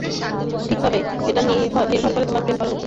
ঠিক, তবে এটা নির্ভর করে তোমার প্রেম করার উপর।